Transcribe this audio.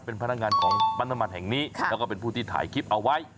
เป็นพนักงานของปั๊มน้ำมันแห่งนี้แล้วก็เป็นผู้ที่ถ่ายคลิปเอาไว้